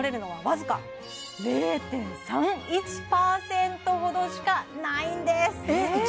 僅か０．３１％ほどしかないんですえっ